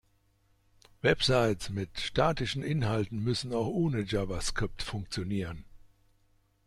Websites mit statischen Inhalten müssen auch ohne Javascript funktionieren.